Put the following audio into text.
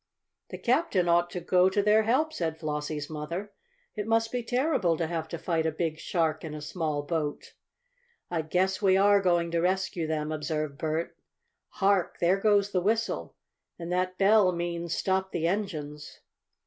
"The captain ought to go to their help," said Flossie's mother. "It must be terrible to have to fight a big shark in a small boat." "I guess we are going to rescue them," observed Bert. "Hark! There goes the whistle! And that bell means stop the engines!"